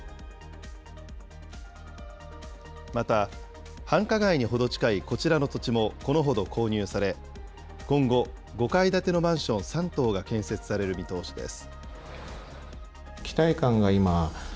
また、繁華街に程近いこちらの土地も、このほど購入され、今後、５階建てのマンション３棟が建設される見通しです。